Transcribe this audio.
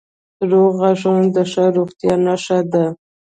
روغ غاښونه د ښه روغتیا نښه ده.